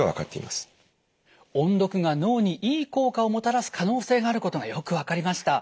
音読が脳にいい効果をもたらす可能性があることがよく分かりました。